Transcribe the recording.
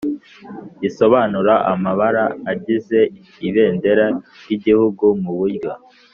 risobanura amabara agize Ibendera ry Igihugu mu buryo